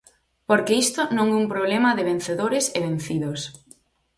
Porque isto non é un problema de vencedores e vencidos.